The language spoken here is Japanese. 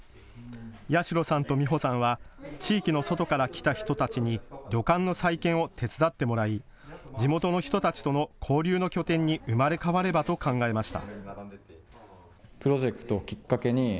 八代さんと美歩さんは地域の外から来た人たちに旅館の再建を手伝ってもらい地元の人たちとの交流の拠点に生まれ変わればと考えました。